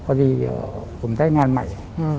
พอดีผมได้งานใหม่